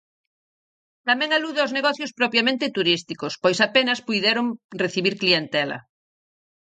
Tamén alude aos negocios propiamente turísticos, pois apenas puideron recibir clientela.